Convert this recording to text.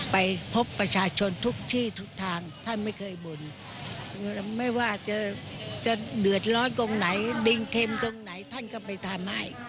ไปพบประชาชนทุกที่ทุกทางท่านไม่เคยบ่นไม่ว่าจะเดือดร้อนตรงไหนดิงเทมตรงไหนท่านก็ไปทำให้